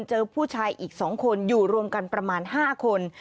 เจอผู้ชายอีก๒คนอยู่รวมกันประมาณ๕คน